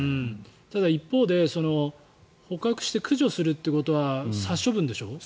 ただ、一方で捕獲して駆除するということは殺処分でしょ？